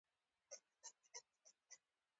د ادارې سسټم داسې وو.